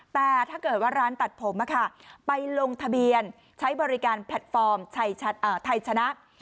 แต่ถ้าเกิดว่าร้านตัดผมไปลงทะเบียนใช้บริการแพลตฟอร์มไทยชนะ